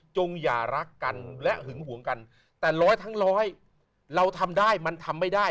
อย่ารักกันและหึงห่วงกันแต่ร้อยทั้งร้อยเราทำได้มันทำไม่ได้